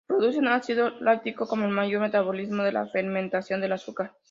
Producen ácido láctico como el mayor metabolito de la fermentación del azúcar.